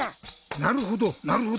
なるほどなるほど。